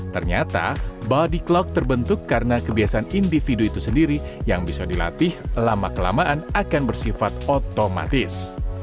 ternyata body clock terbentuk karena kebiasaan individu itu sendiri yang bisa dilatih lama kelamaan akan bersifat otomatis